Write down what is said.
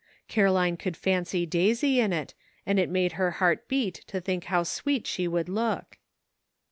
Caroline could fancy Daisy in it, and it made her heart beat to think how sweet she would look.